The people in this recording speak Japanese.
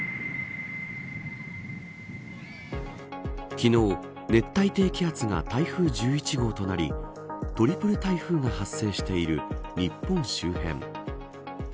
昨日、熱帯低気圧が台風１１号となりトリプル台風が発生している日本周辺。